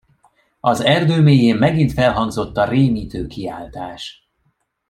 Az erdő mélyén megint felhangzott a rémítő kiáltás.